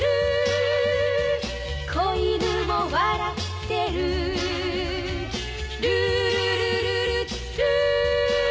「小犬も笑ってる」「ルールルルルルー」